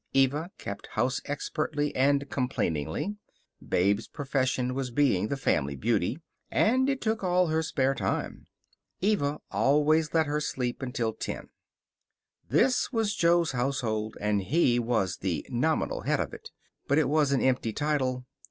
Eva kept house expertly and complainingly. Babe's profession was being the family beauty, and it took all her spare time. Eva always let her sleep until ten. This was Jo's household, and he was the nominal head of it. But it was an empty title.